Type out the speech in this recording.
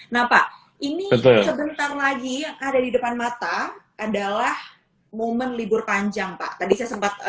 nah pak ini sebentar lagi yang ada di depan mata adalah momen libur panjang pak tadi saya sempat